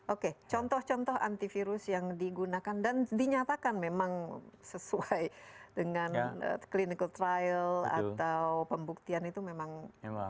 oke contoh contoh antivirus yang digunakan dan dinyatakan memang sesuai dengan clinical trial atau pembuktian itu memang